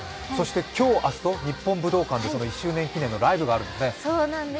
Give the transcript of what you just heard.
今日、明日と日本武道館で１周年記念のライブがあるんですね。